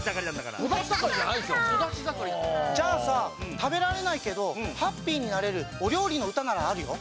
じゃあさたべられないけどハッピーになれるおりょうりのうたならあるよ。